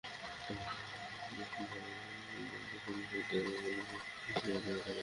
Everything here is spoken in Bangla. তখন ভিন্ন একটি কারণ দেখিয়ে মোশতাকের যাত্রা শেষ মুহূর্তে স্থগিত করা হয়েছিল।